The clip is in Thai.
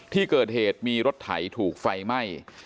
ที่เกิดเหตุมีรถไถถูกไฟไหม้